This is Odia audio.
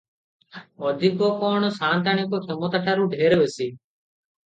ଅଧିକ କଣ ସାଆନ୍ତାଣୀଙ୍କ କ୍ଷମତାଠାରୁ ଢେର ବେଶୀ ।